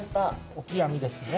オキアミですね。